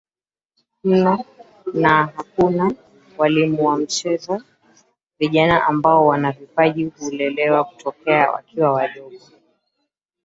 mno na hakuna walimu wa michezo Vijana ambao wana vipaji hulelewa tokea wakiwa wadogo